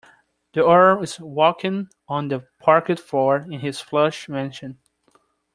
The earl is walking on the parquet floor in his plush mansion.